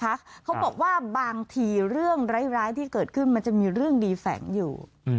เขาบอกว่าบางทีเรื่องร้ายที่เกิดขึ้นมันจะมีเรื่องดีแฝงอยู่